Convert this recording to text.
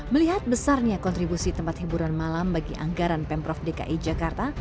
melihat besarnya kontribusi tempat hiburan malam bagi anggaran pemprov dki jakarta